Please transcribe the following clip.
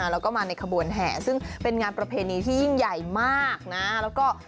แล้วก็มาในขบวนแห่ซึ่งเป็นงานประเพณีที่ยิ่งใหญ่มากนะแล้วก็